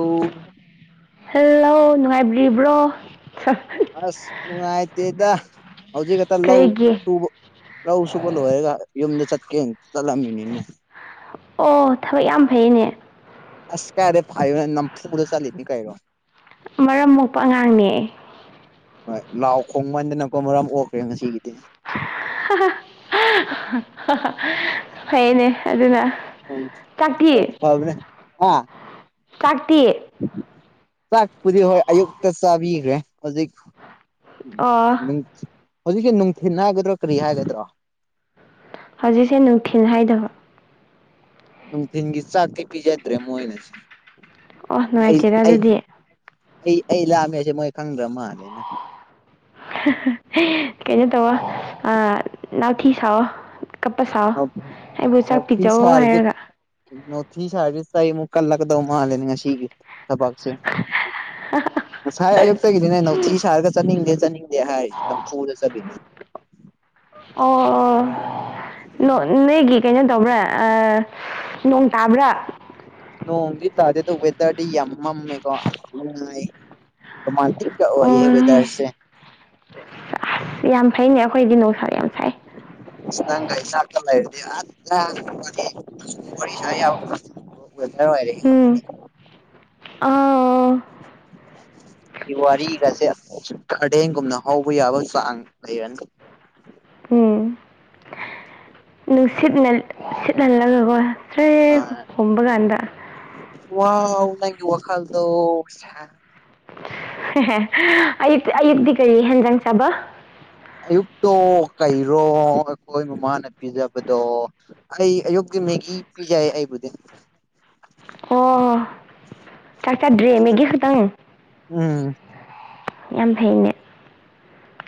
ꯑꯣ ꯍꯜꯂꯣ ꯅꯨꯡꯉꯥꯏꯕꯤ꯭ꯔꯤꯕ꯭ꯔꯣ꯫ ꯑꯁ ꯉꯥꯏꯇꯦꯗ ꯍꯧꯖꯤꯛ ꯑ ꯂꯧ ꯀꯔꯤꯒꯤ ꯁꯨꯕ__ ꯂꯧꯁꯨꯕꯣꯂꯔꯦꯒ ꯌꯨꯝꯗ ꯆꯠꯀꯦ ꯆꯠꯂꯝꯃꯤꯅꯤꯅꯦ꯫ ꯑꯣ ꯊꯕꯛ ꯌꯥꯝ ꯐꯩꯅꯦ꯫ ꯑꯁ ꯀꯥꯏꯔꯦ ꯐꯥꯏ ꯅꯝ ꯐꯨꯒꯣ ꯆꯂꯤꯅꯤ ꯀꯥꯏꯔꯣ ꯃꯔꯝ ꯃꯣꯛꯄ ꯑꯉꯥꯡꯅꯦ ꯍꯣꯏ ꯂꯥꯎ ꯈꯣꯡꯃꯟꯗꯅꯀꯣꯏ ꯃꯔꯝ ꯑꯣꯈ꯭ꯔꯦ ꯉꯁꯤꯒꯤꯗꯤ ꯐꯩꯅꯦ ꯑꯗꯨꯅ ꯎ ꯆꯥꯛꯇꯤ ꯑ ꯆꯥꯛꯇꯤ ꯆꯥꯛꯄꯨꯗꯤ ꯍꯣꯏ ꯑꯌꯨꯛꯇ ꯆꯥꯕꯤꯈ꯭ꯔꯦ ꯍꯧꯖꯤꯛ ꯑꯣ ꯍꯧꯖꯤꯛꯁꯦ ꯅꯨꯡꯊꯤꯟ ꯍꯥꯏꯒꯗ꯭ꯔꯣ ꯀꯔꯤ ꯍꯥꯏꯒꯗ꯭ꯔꯣ ꯍꯧꯖꯤꯛꯁꯦ ꯅꯨꯡꯊꯤꯜ ꯍꯥꯏꯗꯕ ꯅꯨꯡꯊꯤꯟꯒꯤ ꯆꯥꯛ ꯀꯩ ꯄꯤꯖꯗ꯭ꯔꯦ ꯃꯣꯏꯅꯁꯦ ꯑꯣ ꯅꯨꯡꯉꯥꯏꯇꯦꯗ ꯑꯩ ꯑꯗꯨꯗꯤ ꯑꯩ ꯑꯩ ꯂꯥꯑꯝꯃꯦꯁꯦ ꯃꯣꯏ ꯈꯪꯗ꯭ꯔ ꯃꯥꯜꯂꯦꯅ ꯀꯩꯅꯣ ꯇꯧꯋ ꯅꯥꯊꯤ ꯁꯥꯋ ꯀꯞꯄ ꯁꯥ ꯑꯩꯕꯨ ꯆꯥꯛ ꯄꯤꯖꯑꯣ ꯍꯥꯏꯔꯒ ꯊꯤ ꯁꯥ ꯁꯨꯛ ꯀꯂ ꯀꯗꯧ ꯃꯥ ꯂꯅꯤ ꯁꯤ ꯊꯁꯦ ꯉꯁꯥꯏ ꯑꯌꯨꯛꯇꯒꯤꯗꯤꯅꯦ ꯅꯧꯊꯤ ꯁꯥꯔꯒ ꯆꯠꯅꯤꯡꯗꯦ ꯆꯠꯅꯤꯡꯗꯦ ꯍꯥꯏꯔꯤꯁꯦ ꯅꯝꯐꯨꯗ ꯆꯠꯈꯤꯅꯦ ꯑꯣ ꯅꯣꯏꯒꯤ ꯀꯩꯅꯣ ꯇꯧꯕ꯭ꯔꯥ ꯅꯣꯡ ꯇꯥꯕ꯭ꯔꯥ ꯅꯣꯡꯗꯤ ꯇꯥꯗꯦ ꯑꯗꯨꯗꯣ ꯋꯦꯗꯔꯗꯤ ꯌꯥꯝ ꯃꯝꯃꯦꯀꯣ ꯅꯨꯡꯉꯥꯏ ꯔꯣꯃꯥꯟꯇꯛ ꯀ ꯑꯣ ꯌꯥ ꯖꯔꯁꯦ ꯑꯁ ꯌꯥꯝ ꯐꯩꯅꯦ ꯑꯩꯈꯣꯏꯗꯤ ꯅꯨꯡꯁꯥ ꯌꯥꯝ ꯁꯥꯏ ꯅꯥꯏ ꯆꯀꯂꯔꯗꯤꯔꯤꯁ ꯌꯥꯎ ꯊꯔ ꯍꯥꯏꯔꯦ ꯎꯝ ꯑꯥ ꯋꯥꯔꯤꯒꯁꯦ ꯒꯥꯔꯗꯦꯟꯒꯨꯝꯅ ꯍꯧꯕ ꯌꯥꯕ ꯆꯥꯡ ꯂꯩꯔꯅꯤ ꯅꯨꯡꯁꯤꯠ ꯁꯤꯠꯍꯜꯂꯒꯀꯣ ꯁ꯭ꯔꯦ ꯍꯣꯕ ꯀꯥꯟꯗ ꯋꯥ ꯅꯪꯒꯤ ꯋꯥꯈꯜꯗꯣ ꯑꯌꯨ ꯑꯌꯨꯛꯇꯤ ꯀꯔꯤ ꯍꯦꯟꯖꯥꯡ ꯆꯥꯕ ꯑꯌꯨꯛꯇꯣ ꯀꯩꯔꯣ ꯑꯩꯈꯣꯏ ꯃꯃꯥꯅ ꯄꯤꯖꯕꯗꯣ ꯑꯩ ꯑꯌꯨꯛꯛꯇ ꯃꯦꯒꯤ ꯄꯤꯖꯥꯏ ꯑꯩꯕꯨꯗꯤ ꯇꯥꯛꯇꯥꯔ ꯗ꯭ꯔꯔꯤ ꯃꯦꯒꯦ ꯈꯪ ꯎꯝ ꯌꯥꯝ ꯐꯩꯅꯦ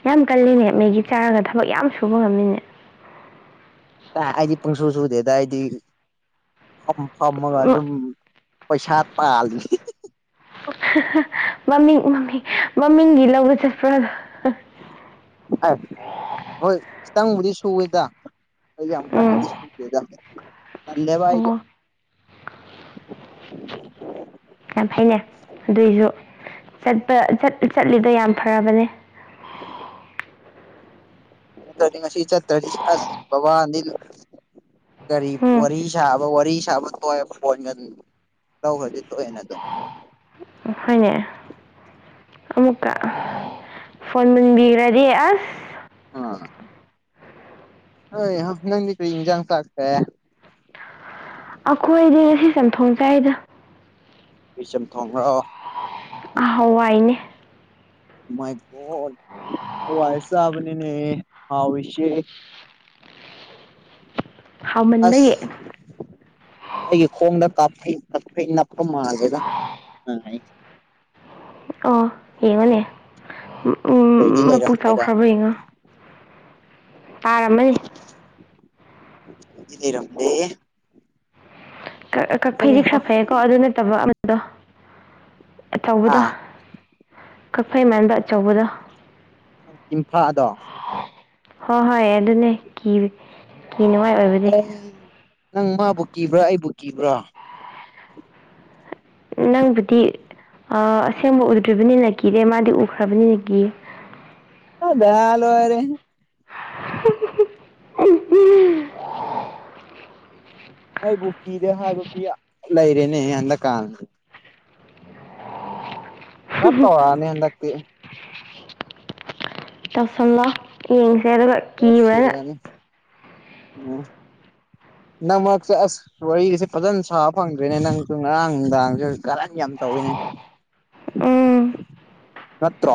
ꯌꯥꯝ ꯀꯜꯂꯤꯅꯦ ꯃꯦꯒꯤ ꯆꯥꯔꯒ ꯊꯕꯛ ꯌꯥꯝ ꯁꯨꯕ ꯉꯝꯃꯤꯅꯦ ꯑ ꯑꯩꯗꯤ ꯄꯨꯡꯁꯨ ꯁꯨꯗꯦꯗ ꯑꯩꯗꯤ ꯐꯝ ꯐꯝꯃꯒ ꯃ- ꯑꯗꯨꯝ ꯄꯩꯁꯥ ꯇꯥꯜꯂꯤ [inaudible] ꯃꯃꯤꯡ ꯃꯃꯤꯡ ꯃꯃꯤꯡꯒꯤ ꯂꯧꯕ ꯆꯠꯄ꯭ꯔꯥꯗꯣ ꯍꯣꯏ ꯈꯤꯇꯪꯕꯨꯗꯤ ꯁꯨꯋꯦꯗ ꯑꯩꯒꯤ ꯑꯃꯀꯥꯟ ꯎꯝ ꯅꯗꯤꯗ ꯁꯗꯦꯕ ꯑꯩꯒ ꯑꯣ ꯌꯥꯝ ꯐꯩꯩꯅꯩ ꯑꯗꯨꯏꯁꯨ ꯆꯠꯄ ꯆꯠꯂꯤꯗꯣ ꯌꯥꯝ ꯐꯔꯕꯅꯦ ꯉꯁꯤ ꯆꯠꯇꯔꯤ ꯑꯁ ꯄꯕꯥ ꯑꯅꯤꯜ ꯀꯔꯤ ꯎꯝ ꯋꯥꯔꯤ ꯁꯥꯕ ꯋꯥꯔꯤ ꯁꯥꯕ ꯇ ꯐꯣꯟ ꯇꯧ ꯍꯧꯖꯤ ꯊꯣꯛ ꯑꯦꯅꯗꯣ ꯈꯣꯏꯅꯦ ꯑꯃꯨꯛ ꯐꯣꯟ ꯃꯨꯟꯕꯤꯈ꯭ꯔꯗꯤ ꯑꯁ ꯑ ꯑꯣꯏ ꯅꯗꯀ꯭ꯔꯤ ꯏꯪꯖꯥꯡꯁꯥꯥꯛꯇꯦ ꯑꯩꯈꯣꯏꯗꯤ ꯉꯁꯤ ꯆꯝꯊꯣꯡ ꯆꯥꯏꯗ ꯄꯁꯝ ꯊꯣꯡꯈ꯭ꯔꯣ ꯍꯋꯥꯏꯅꯦ ꯃꯥꯏꯀꯣ ꯋꯥꯏꯁꯕꯅꯤꯅꯦ ꯍꯁꯦ ꯑꯁ ꯍꯥꯎꯃꯟꯕꯒꯤ ꯑꯩꯒꯤ ꯈꯣꯡꯗ ꯀꯥꯞꯐꯩ ꯀꯞꯐꯩ ꯅꯞꯄ ꯃꯥꯜꯂꯦꯗ [unintelligible] ꯑꯣ ꯌꯦꯡꯉꯣꯅꯦ ꯂꯩꯗꯤ ꯃꯄꯨꯛ ꯂꯩꯔꯝꯗꯦꯗ ꯆꯥꯎꯈ꯭ꯔꯕ ꯌꯦꯡꯉꯣ ꯇꯥꯔꯝꯃꯅꯤ ꯏꯗꯤ ꯂꯩꯔꯝꯗꯦꯍꯦ ꯀꯛ ꯐꯩꯗꯤ ꯈꯔ ꯐꯩꯌꯦꯀꯣ ꯑꯗꯨ ꯅꯠꯇꯕ ꯑꯃꯗꯣꯊꯧꯕꯗꯣ ꯑꯥ ꯀꯛꯐꯩ ꯃꯦꯝꯕ ꯑꯆꯧꯕꯗ ꯇꯤꯟꯐꯗꯣ ꯍꯣꯏ ꯍꯣꯏ ꯑꯗꯨꯅꯦ ꯀꯤ ꯀꯤꯅꯤꯡꯉꯥꯏ ꯑꯣꯏꯕꯗꯤ ꯑꯦ ꯅꯪ ꯃꯥꯕꯨ ꯀꯤꯕ꯭ꯔꯥ ꯑꯩꯕꯨ ꯀꯤꯕ꯭ꯔꯣ ꯅꯪꯕꯨꯗꯤ ꯑ ꯑꯁꯦꯡꯕ ꯎꯗ꯭ꯔꯤꯕꯅꯤꯅ ꯀꯤꯗꯦ ꯃꯥꯗꯤ ꯎꯈ꯭ꯔꯕꯅꯤꯅ ꯀꯤ [unintelligible] ꯂꯣꯏꯔꯦꯍꯦ ꯑꯩꯕꯨ ꯀꯤꯗꯦ ꯍꯥꯏꯕ ꯃꯤ ꯂꯩꯔꯦꯅꯦ ꯍꯟꯗꯛꯀꯥꯟ ꯈꯥ ꯇꯧꯔꯛꯑꯥꯅꯤ ꯍꯟꯗꯛꯇꯤ ꯇꯧꯁꯜꯂꯣ ꯌꯦꯡꯁꯦ ꯑꯗꯨꯒ ꯀꯤꯕ꯭ꯔꯅ ꯇꯧꯁꯤꯜꯂꯅꯤ ꯎꯝ ꯅꯃꯛ ꯆ ꯑꯁ ꯋꯥꯔꯤꯁꯦ ꯐꯖꯅ ꯁꯥꯕ ꯐꯪꯗꯣꯏꯅꯦ ꯅꯪꯁꯨ ꯉꯔꯥꯡ ꯅꯨꯡꯗꯥꯡꯖꯩ ꯀꯔꯟ ꯌꯥꯝ ꯇꯧꯋꯤꯅꯦ ꯑꯨꯝ ꯅꯠꯇ꯭ꯔꯣ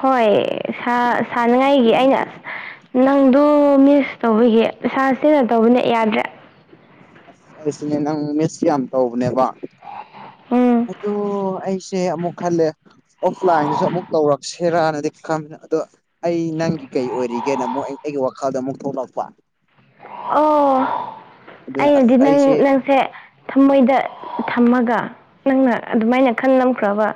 ꯍꯣꯏꯌꯦ ꯁꯥ ꯁꯥꯟꯅꯉꯥꯏꯒꯤ ꯑꯩꯅ ꯅꯪꯗꯨ ꯃꯤꯁ ꯇꯧꯕꯒꯤ ꯁꯥꯁꯤꯅ ꯇꯧꯕꯅꯦ ꯌꯥꯗ꯭ꯔꯦ ꯑꯩꯁꯨꯅꯦ ꯅꯪ ꯃꯤꯁ ꯌꯥꯝ ꯇꯧꯕꯅꯦꯕ ꯎꯝ ꯑꯗꯣ ꯑꯩꯁꯦ ꯑꯃꯨꯛ ꯈꯜꯂꯦ ꯑꯣꯐꯂꯥꯏꯟꯗꯁꯨ ꯑꯃꯨꯛ ꯇꯧꯔꯛꯁꯤꯔꯅꯗꯤ ꯈꯟꯕꯅꯦ ꯑꯗꯣ ꯑꯩ ꯅꯪꯒꯤ ꯀꯩ ꯑꯣꯏꯔꯤꯒꯦꯅ ꯑꯃꯨꯛ ꯑꯩ ꯑꯩꯒꯤ ꯋꯥꯈꯜꯗ ꯑꯃꯨꯛ ꯊꯣꯛꯂꯛꯄ ꯑꯣ ꯑꯗꯨꯅ ꯑꯁ ꯑꯩꯅꯗꯤ ꯅꯪ ꯑꯩꯁꯦ ꯅꯪꯁꯦ ꯊꯃꯣꯏꯗ ꯊꯝꯃꯒ ꯅꯪꯅ ꯑꯗꯨꯃꯥꯏꯅ ꯈꯜꯂꯝ ꯅꯝꯈ꯭ꯔꯕ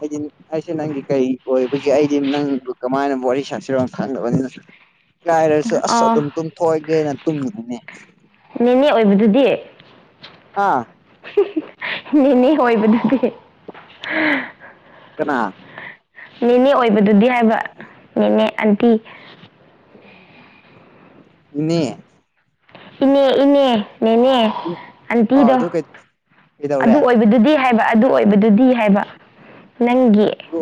ꯑꯩꯗꯤ ꯑꯩꯁꯦ ꯅꯪꯒꯤ ꯀꯔꯤ ꯑꯣꯏꯕꯒꯤ ꯑꯩꯗꯤ ꯅꯪꯕꯨ ꯀꯃꯥꯏꯅ ꯋꯥꯔꯤ ꯁꯥꯁꯤꯔꯣ ꯈꯡꯗꯕꯅꯤꯅ ꯏꯀꯥꯏꯔꯁꯨ ꯑꯁ ꯑꯥ ꯑꯗꯨꯝ ꯇꯨꯝꯊꯣꯛꯑꯒꯦꯅ ꯇꯨꯝꯃꯨꯕꯅꯦ ꯅꯦꯅꯦ ꯑꯣꯏꯕꯗꯨꯗꯤ ꯑꯥ ꯅꯦ ꯅꯦ ꯑꯣꯏꯕꯗꯨꯗꯤ ꯀꯅꯥ ꯅꯦꯅꯦ ꯑꯣꯏꯕꯗꯨꯗꯤ ꯍꯥꯏꯕ ꯅꯦꯅꯦ ꯑꯟꯇꯤ ꯅꯦ ꯏꯅꯦ ꯏꯅꯦ ꯅꯦꯅꯦ ꯑ ꯑꯟꯇꯤꯗꯣ ꯑꯗꯨ ꯑꯗꯨ ꯀꯩꯗꯧꯔꯦ ꯑꯣꯏꯕꯗꯨꯗꯤ ꯍꯥꯏꯕ ꯑꯗꯨ ꯑꯣꯏꯕꯗꯨꯗꯤ ꯍꯥꯏꯕ ꯅꯪꯒꯤ ꯑꯗꯨ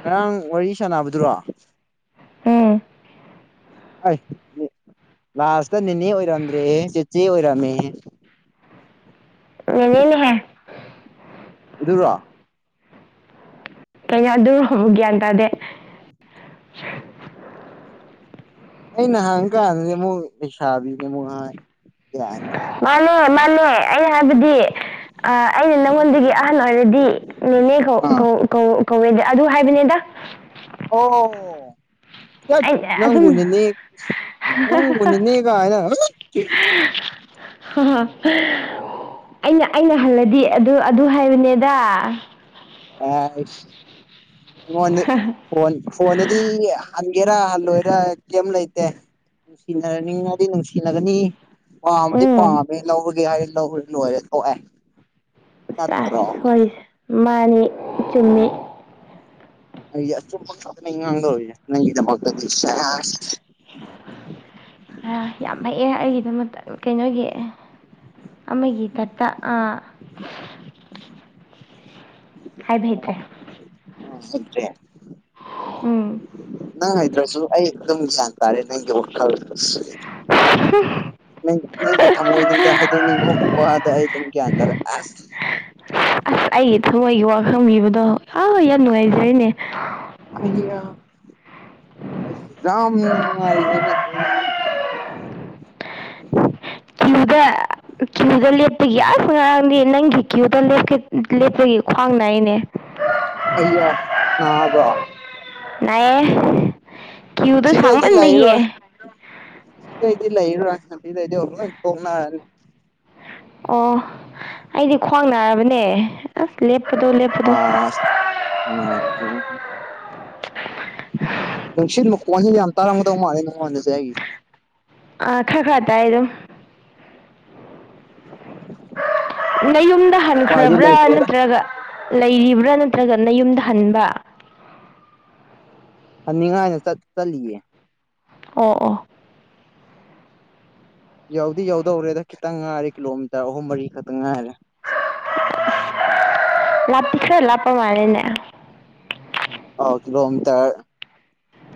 ꯉꯔꯥꯡ ꯋꯥꯔꯤ ꯁꯥꯟꯅꯕꯗꯨꯔꯣ ꯑꯨꯝ ꯑꯩ ꯂꯥꯁꯇ ꯅꯦꯅꯦ ꯑꯣꯏꯔꯝꯗ꯭ꯔꯦꯍꯦ ꯆꯤꯆꯦ ꯑꯣꯏꯔꯝꯃꯦꯍꯦ ꯅꯦꯅꯦꯅꯤꯍꯦ ꯑꯗꯨꯔꯣ ꯀꯩꯅꯣ ꯑꯗꯨꯕꯨ ꯒ꯭ꯌꯥꯟ ꯇꯥꯗꯦ ꯑꯩꯅ ꯍꯪ ꯀꯥꯟꯗꯗꯤ ꯑꯃꯨꯛ ꯂꯩꯩꯁꯥꯕꯤꯅꯦ ꯑꯃꯨꯛ ꯍꯥꯏ ꯒꯌ꯭ꯥꯟ ꯃꯥꯅꯦ ꯃꯥꯅꯦ ꯑꯩ ꯍꯥꯏꯕꯗꯤ ꯑ ꯑꯩꯅ ꯅꯉꯣꯟꯗꯒꯤ ꯑꯍꯟ ꯑꯣꯏꯔꯗꯤ ꯅꯦꯅꯦ ꯀꯧ ꯑꯥ ꯀꯧ ꯀꯣ ꯀꯧꯋꯦꯗ ꯑꯗꯨ ꯍꯥꯏꯕꯅꯤꯗ ꯑꯣ ꯇꯠ ꯑꯩ ꯑꯁꯨꯝ ꯅꯪꯕꯨ ꯅꯦꯅꯦ ꯅꯪꯕꯨ ꯅꯦꯅꯦ ꯒꯥꯏꯅ ꯇꯠ ꯍꯥ ꯍꯥ ꯑꯩꯅ ꯑꯩꯅ ꯍꯜꯂꯗꯤ ꯑꯗꯨ ꯑꯗꯨ ꯍꯥꯏꯕꯅꯦꯗ [unintelligible] ꯐꯣꯟ ꯐꯣꯟꯗꯗꯤ ꯍꯟꯒꯦꯔꯥ ꯍꯜꯂꯣꯏꯔꯥ ꯀꯌꯦꯝ ꯂꯩꯇꯦ ꯅꯨꯡꯁꯤꯅꯅꯤꯡꯉꯗꯤ ꯅꯨꯡꯁꯤꯅꯒꯅꯤ ꯄꯥꯝꯃꯗꯤ ꯎꯝ ꯄꯥꯝꯃꯦ ꯂꯧꯔꯒꯦ ꯍꯥꯏ ꯂꯧꯔ ꯂꯣꯏꯔꯦ ꯊꯣꯛꯑꯦ ꯁꯦꯁ ꯅꯠꯇ꯭ꯔꯣ ꯋꯔꯤꯁꯦ ꯃꯥꯅꯤ ꯆꯨꯝꯃꯤ ꯑꯩꯗꯤ ꯑꯆꯨꯝ ꯑꯆꯨꯝꯕ ꯉꯥꯡꯗꯧꯔꯤꯁꯤ ꯅꯪꯒꯤꯗꯃꯛꯇꯗꯤ ꯁꯦꯁ ꯌꯥꯝ ꯍꯩꯑ ꯑꯩꯒꯤꯗꯃꯛꯇ ꯀꯩꯅꯣꯒꯤ ꯑꯃꯒꯤ ꯗꯇ ꯑꯥ ꯍꯥꯏꯕꯤꯗ꯭ꯔꯦ ꯑꯥ ꯁꯦꯟꯇꯔꯦꯜ ꯎꯝ ꯅꯪ ꯍꯥꯏꯗ꯭ꯔꯁꯨ ꯑꯩ ꯑꯗꯨꯝ ꯒ꯭ꯌꯟ ꯇꯥꯔꯦ ꯅꯪꯒꯤ ꯋꯥꯈꯜ꯫ [unintelligible] ꯅꯪ ꯅꯪꯒꯤ ꯊꯝꯃꯣꯏꯅꯨꯡꯗ ꯍꯥꯏꯗꯣꯛꯅꯤꯡꯕ ꯋꯥꯗ ꯑꯩ ꯑꯗꯨꯝ ꯒ꯭ꯌꯥꯟ ꯇꯥꯔ ꯑꯁ ꯑꯁ ꯑꯩꯒꯤ ꯊꯃꯣꯏꯒꯤ ꯋꯥꯈꯪꯕꯤꯕꯗꯣ ꯑꯥ ꯌꯥꯝ ꯅꯨꯡꯉꯥꯏꯖꯔꯦꯅꯦ꯫ ꯑꯌꯥ ꯑꯩꯁꯤ ꯌꯥꯝꯅ ꯅꯨꯡꯉꯥꯏꯔꯤꯅꯦ ꯑꯩ ꯀ꯭ꯌꯨꯗ ꯀ꯭ꯌꯨꯗ ꯂꯦꯞꯄꯒꯤ ꯑꯁ ꯉꯔꯥꯡꯗꯤ ꯅꯪꯒꯤ ꯀ꯭ꯌꯨꯗ ꯂꯦꯞꯀꯦ ꯂꯦꯞꯄꯒꯤ ꯈ꯭ꯋꯥꯡ ꯅꯥꯏꯅꯦ꯫ [unintelligible] ꯑꯌꯥ ꯅꯥꯕꯔꯣ ꯅꯥꯏꯌꯦ ꯀ꯭ꯌꯨꯗ ꯉꯁꯤꯗꯩꯗꯤ ꯁꯥꯡꯃꯟꯕꯒꯤ꯫ ꯂꯩꯔꯣꯏ ꯉꯁꯤꯗꯩꯗꯤ ꯂꯩꯔꯔꯣꯏ ꯉꯁꯤꯗꯩꯗꯤ ꯑꯣꯛ ꯂꯣꯏ ꯇꯣꯛꯅꯔꯅꯤ꯫ ꯑꯣ ꯑꯩꯗꯤ ꯈ꯭ꯋꯥꯡ ꯅꯥꯔꯕꯅꯦ꯫ ꯑꯁ ꯂꯦꯞꯄꯗꯣ ꯂꯦꯞꯄꯗꯣ ꯑꯥꯁ ꯅꯨꯡꯉꯥꯏꯇꯔ꯭ꯦꯉꯣ꯫ ꯅꯨꯡꯁꯤꯠ ꯃꯈꯣꯟꯁꯤꯅ ꯌꯥꯝ ꯇꯥꯔꯝꯒꯗꯧ ꯃꯥꯂꯦ ꯅꯉꯣꯟꯗꯁꯦ ꯑꯩꯒꯤꯁꯦ ꯑ ꯈꯔ ꯈꯔ ꯇꯥꯏ ꯑꯗꯨꯝ꯫ [inaudible] ꯅꯌꯨꯝꯗ ꯎꯄꯥꯏꯗꯤ ꯍꯟꯈ꯭ꯔꯕ꯭ꯔꯥ ꯂꯩꯇ꯭ꯔꯦꯗ ꯅꯠꯇ꯭ꯔꯒ ꯂꯩꯔꯤꯕ꯭ꯔꯥ ꯅꯠꯇ꯭ꯔꯒ ꯅꯌꯨꯝꯗ ꯍꯟꯕ ꯐꯅꯤꯡꯉꯥꯏꯅ ꯆꯠ ꯆꯠꯂꯤꯌꯦ꯫ ꯑꯣ ꯑꯣ ꯌꯧꯗꯤ ꯌꯧꯗꯧꯔꯦꯗ ꯈꯤꯇꯪ ꯉꯥꯏꯔꯦ ꯀꯤꯂꯣꯃꯤꯇꯔ ꯑꯍꯨꯝ ꯃꯔꯤ ꯈꯇꯪ ꯉꯥꯏꯔꯦ꯫ ꯑꯁ ꯂꯥꯞꯇꯤ ꯈꯔ ꯂꯥꯞꯄ ꯃꯥꯂꯤꯅꯦ꯫ ꯑꯥꯎ ꯀꯤꯂꯣꯃꯤꯇꯔ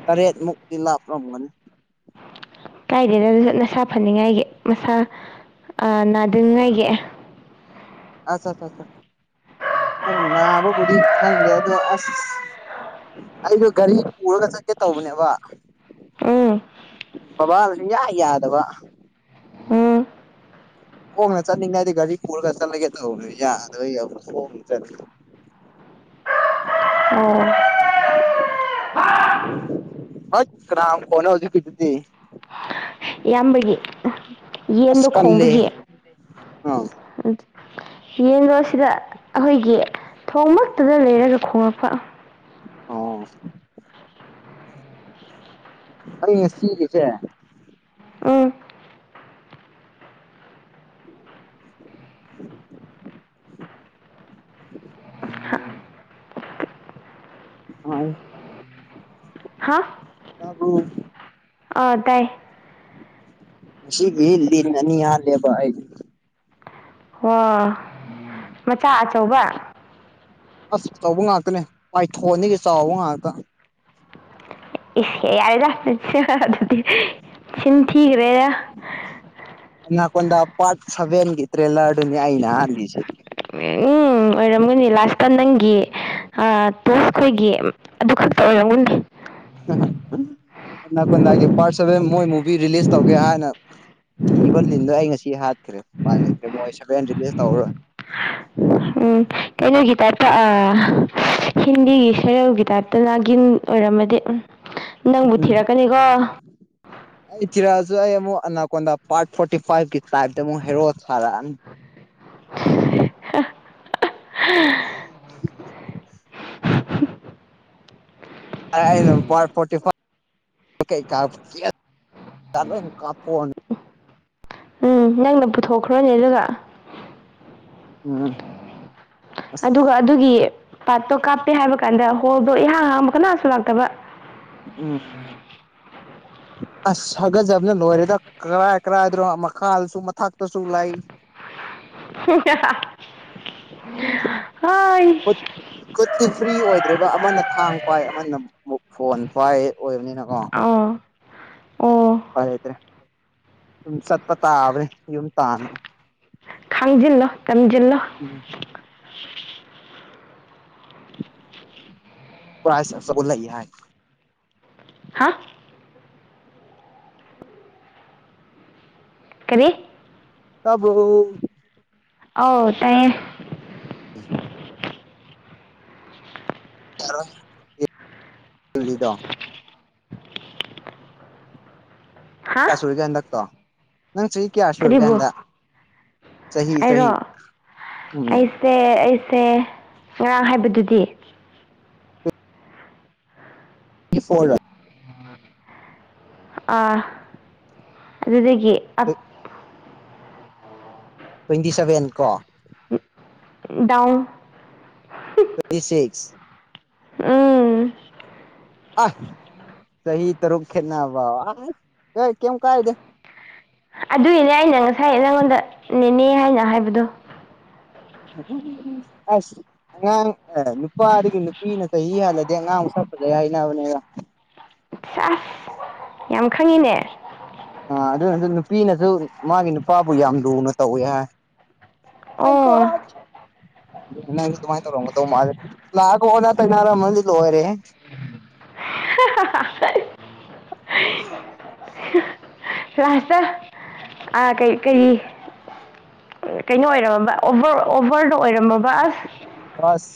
ꯇꯔꯦꯠ ꯃꯨꯛꯇꯤ ꯂꯥꯞꯔꯝꯒꯅꯤ꯫ ꯀꯥꯏꯗꯦꯗ ꯑꯗꯨꯁꯨ ꯅꯁꯥ ꯐꯅꯤꯡꯉꯥꯏꯒꯤ ꯃꯁꯥ ꯑꯥ ꯅꯥꯗꯅꯤꯡꯉꯥꯏꯒꯤ꯫ ꯑꯆꯥ ꯆꯆꯥ ꯍꯣꯏ ꯅꯥꯕꯕꯨꯗꯤ ꯈꯪꯗꯦ ꯑꯗꯣ ꯑꯁ ꯑꯩꯗꯣ ꯒꯥꯔꯤ ꯄꯨꯔꯒ ꯆꯠꯀꯦ ꯇꯧꯕꯅꯦꯕ꯫ ꯎꯝ ꯕꯕꯥꯅ ꯁꯨꯡꯌꯥ ꯌꯥꯗꯕ꯫ ꯎꯝ ꯈꯣꯡꯅ ꯆꯠꯅꯤꯡꯉꯗꯤ ꯒꯥꯔꯤ ꯄꯨꯔꯒ ꯆꯠꯂꯒꯦ ꯇꯧꯕꯅꯤ ꯌꯥꯗꯕꯩ ꯑꯗꯨ ꯈꯣꯡꯅ ꯆꯠꯂꯤ꯫ ꯑꯣ ꯍꯠ ꯀꯅꯥ ꯃꯈꯣꯜꯅꯣ ꯍꯧꯖꯤꯛꯀꯤꯗꯨꯗꯤ꯫ ꯏꯌꯥꯝꯕꯒꯤ ꯑꯁ ꯌꯦꯟꯗꯣ ꯀꯜꯂꯦꯍꯦ ꯈꯣꯡꯕꯒꯤ꯫ ꯑꯥ ꯌꯦꯟꯗꯣ ꯑꯁꯤꯗ ꯑꯈꯣꯏꯒꯤ ꯊꯣꯡꯃꯛꯇꯗ ꯂꯩꯔꯒ ꯈꯣꯡꯂꯛꯄ꯫ ꯑꯣ ꯑꯩ ꯉꯁꯤꯒꯤꯖꯦ ꯎꯝ ꯍꯥ [unintelligible] ꯍꯥ ꯇꯥꯕꯔꯣ꯫ ꯑꯥ ꯇꯥꯏ ꯉꯁꯤꯒꯤ ꯂꯤꯟ ꯑꯅꯤ ꯍꯥꯠꯂꯦꯕ ꯑꯩ꯫ ꯑꯣ ꯃꯆꯥ ꯑꯆꯧꯕ꯫ ꯑꯁ ꯑꯆꯧꯕ ꯉꯥꯛꯇꯅꯦ ꯄꯥꯏꯊꯣꯟꯗꯒꯤ ꯆꯥꯎꯕ ꯉꯥꯛꯇ꯫ ꯏꯁ ꯌꯥꯔꯦꯗ ꯅꯪꯁꯨ ꯑꯗꯨꯗꯤ ꯆꯤꯟ ꯊꯤꯒꯔꯦꯗ꯫ ꯑꯅꯥꯀꯣꯟꯗ ꯄꯥꯔꯠ ꯁꯚꯦꯟꯒꯤ ꯇ꯭ꯔꯦꯂꯔꯗꯨꯅꯤ ꯑꯩꯅ ꯍꯥꯠꯂꯤꯁꯦ꯫ ꯎꯝ ꯎꯝ ꯑꯣꯏꯔꯝꯒꯅꯤ ꯂꯥꯁꯇ ꯅꯪꯒꯤ ꯑ ꯇꯣꯁ ꯈꯣꯏꯒꯤ ꯑꯗꯨ ꯈꯛꯇ ꯑꯣꯏꯔꯝꯒꯅꯤ꯫ ꯍꯥꯍꯥ ꯑꯅꯥꯀꯣꯟꯗꯥꯒꯤ ꯄꯥꯔꯠ ꯁꯚꯦꯟ ꯃꯣꯏ ꯃꯨꯚꯤ ꯔꯤꯂꯤꯁ ꯇꯧꯒꯦ ꯍꯥꯏꯅ ꯊꯤꯕ ꯂꯤꯟꯗꯣ ꯑꯩ ꯉꯁꯤ ꯍꯥꯠꯈ꯭ꯔꯦ ꯎꯄꯥꯏ ꯂꯩꯇꯔꯦ ꯃꯣꯏ ꯁꯚꯦꯟ ꯔꯤꯂꯤꯁ ꯇꯧꯔꯔꯣꯏ ꯎꯝ ꯀꯩꯅꯣꯒꯤ ꯇꯥꯏꯞꯇ ꯑꯥ ꯍꯤꯟꯗꯤꯒꯤ ꯁꯦꯔꯦꯜꯒꯤ ꯇꯥꯏꯞꯇ ꯅꯥꯒꯤꯟ ꯑꯣꯏꯔꯝꯃꯗꯤ ꯎꯝ ꯅꯪꯕꯨ ꯎꯝ ꯊꯤꯔꯛꯀꯅꯤꯀꯣ ꯑꯩ ꯊꯤꯔꯛꯑꯁꯨ ꯑꯩ ꯑꯃꯨꯛ ꯑꯅꯥꯀꯣꯟꯗ ꯄꯥꯔꯠ ꯐꯣꯔꯇꯤ ꯐꯥꯏꯚꯀꯤ ꯇ꯭ꯔꯥꯢꯕꯇ ꯑꯃꯨꯛ ꯍꯦꯔꯣ ꯁꯥꯔꯛꯑꯅꯤ [unintelligible] ꯑꯩ ꯑꯩꯅ ꯄꯥꯔꯠ ꯐꯣꯔꯇꯤ ꯐꯥꯏꯚ [inaudible] ꯂꯣꯏꯅ ꯀꯥꯞꯊꯣꯛꯑꯅꯤ ꯎꯝ ꯅꯪꯅ ꯄꯨꯊꯣꯛꯈ꯭ꯔꯣꯅꯦ ꯑꯗꯨꯒ ꯎꯝ ꯑꯁ ꯑꯗꯨꯒ ꯑꯗꯨꯒꯤ ꯄꯥꯔꯠꯇꯣ ꯀꯥꯞꯄꯦ ꯍꯥꯏꯕ ꯀꯥꯟꯗ ꯍꯣꯜꯗꯣ ꯏꯍꯥꯡ ꯍꯥꯡꯕ ꯀꯅꯥꯁꯨ ꯂꯥꯛꯇꯕ ꯎꯝ ꯑꯁ ꯍꯥꯀꯠꯆꯕꯅ ꯂꯣꯏꯔꯦꯗ ꯀꯔꯥꯏ ꯀꯔꯥꯏꯗꯅꯣ ꯃꯈꯥꯁꯨ ꯃꯊꯛꯇꯁꯨ ꯂꯩ ꯍꯣꯏ ꯈꯨꯠ ꯈꯨꯠꯇꯤ ꯐ꯭ꯔꯤ ꯑꯣꯏꯗ꯭ꯔꯤꯕ ꯑꯃꯅ ꯊꯥꯡ ꯄꯥꯏ ꯑꯃꯅ ꯃꯨꯛ ꯐꯣꯟ ꯄꯥꯏ ꯑꯣꯏꯕꯅꯤꯅꯀꯣ ꯑꯥ ꯑꯣ ꯎꯄꯥꯏ ꯂꯩꯇ꯭ꯔꯦ ꯑꯗꯨꯝ ꯆꯠꯄ ꯇꯥꯕꯅꯤ ꯌꯨꯝ ꯇꯥꯟꯅ ꯈꯪꯖꯤꯜꯂꯣ ꯇꯝꯖꯤꯜꯂꯣ ꯎꯝ ꯄ꯭ꯔꯥꯏꯁ ꯑꯆꯧꯕ ꯂꯩ ꯍꯥꯏ ꯍꯥ ꯀꯔꯤ ꯇꯥꯕ꯭ꯔꯣ ꯑꯧ ꯇꯥꯏꯌꯦ [unintelligible] ꯍꯥ ꯀꯌꯥ ꯁꯨꯔꯤꯒꯦ ꯍꯟꯗꯛꯇꯣ ꯅꯪ ꯆꯍꯤ ꯀꯌꯥ ꯁꯨꯔꯒꯦ ꯀꯔꯤꯕꯨ ꯍꯟꯗꯛ ꯆꯍꯤ ꯆꯍꯤ ꯎꯝ ꯁꯦ ꯑꯩꯁꯦ ꯉꯔꯥꯡ ꯍꯥꯏꯕꯗꯨꯗꯤ [unintelligible] [unintelligible] ꯑꯥ ꯑꯗꯨꯗꯒꯤ ꯑꯞ [unintelligible] ꯇ꯭ꯋꯦꯟꯇꯤ ꯁꯚꯦꯟ ꯀꯣ ꯗꯥꯎꯟ ꯇ꯭ꯋꯦꯟꯇꯤ ꯁꯤꯛꯁ ꯎꯝ ꯑꯥ ꯆꯍꯤ ꯇꯔꯨꯛ ꯈꯦꯠꯅꯕ ꯀꯩꯝ ꯀꯥꯏꯗꯦ ꯑꯗꯨꯢꯅꯦ ꯑꯩꯅ ꯉꯁꯥꯏ ꯅꯉꯣꯟꯗ ꯅꯦꯅꯦ ꯍꯥꯏꯅ ꯍꯥꯏꯕꯗꯣ [unintelligible] ꯑꯁ ꯑꯉꯥꯡ ꯑ ꯅꯨꯄꯥꯗꯒꯤ ꯅꯨꯄꯤꯅ ꯆꯍꯤ ꯍꯜꯂꯗꯤ ꯑꯉꯥꯡ ꯃꯁꯛ ꯐꯖꯩ ꯍꯥꯏꯅꯕꯅꯦꯀꯣ ꯑꯁ ꯌꯥꯝ ꯈꯪꯉꯤꯅꯦ ꯑ ꯑꯗꯨꯅꯁꯨ ꯅꯨꯄꯤꯅꯁꯨ ꯃꯥꯒꯤ ꯅꯨꯄꯥꯕꯨ ꯌꯥꯝ ꯂꯨꯅ ꯇꯧꯋꯦ ꯍꯥꯏ ꯃꯥꯏ ꯑꯣ ꯒꯣꯗ ꯅꯪꯁꯨ ꯑꯗꯨꯃꯥꯏꯅ ꯇꯧꯔꯝꯒꯗꯧꯕ ꯃꯥꯜꯂꯦ ꯂꯥꯛꯑꯒ ꯑꯣꯟꯅ ꯇꯩꯅꯔꯝꯃꯗꯤ ꯂꯣꯏꯔꯦꯍꯦ [unintelligible] ꯂꯥꯁꯇ ꯑꯥ ꯀꯩ ꯀꯔꯤ ꯀꯩꯅꯣ ꯑꯣꯏꯔꯝꯃꯕ ꯑꯣꯚꯔ ꯑꯣꯚꯔꯗ ꯑꯣꯏꯔꯝꯃꯕ ꯑꯁ ꯑꯁ